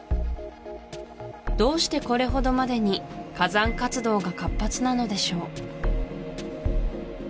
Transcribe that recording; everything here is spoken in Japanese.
どうしてこれほどまでに火山活動が活発なのでしょう